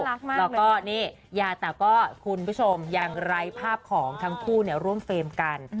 แล้วก็นี่ยาแต่ก็คุณผู้ชมอย่างไร้ภาพของทั้งคู่เนี่ยร่วมเฟรมกัน